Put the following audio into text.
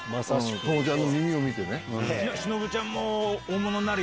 トモちゃんの耳を見てね。